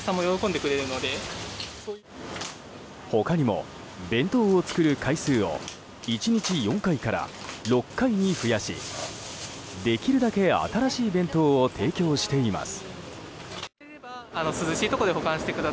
他にも弁当を作る回数を１日４回から６回に増やしできるだけ、新しい弁当を提供しています。